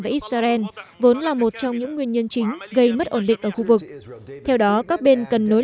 và israel vốn là một trong những nguyên nhân chính gây mất ổn định ở khu vực theo đó các bên cần nối